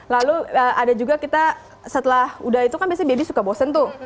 lalu ada juga kita setelah udah itu kan biasanya baby suka bosen tuh